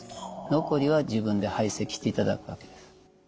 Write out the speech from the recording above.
残りは自分で排泄していただくわけです。